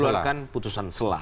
dikeluarkan putusan sela